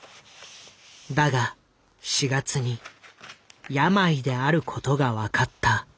だが４月に病であることが分かった。